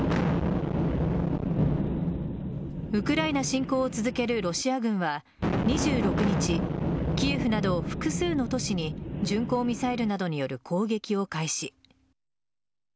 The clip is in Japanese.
ウクライナ侵攻を続けるロシア軍は２６日、キエフなど複数の都市に巡航ミサイルなどによる攻撃を開始。